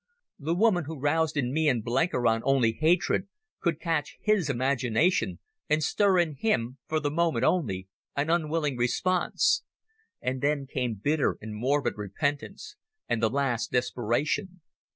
The woman, who roused in me and Blenkiron only hatred, could catch his imagination and stir in him—for the moment only—an unwilling response. And then came bitter and morbid repentance, and the last desperation.